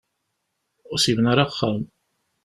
Ur as-yebni ara axxam.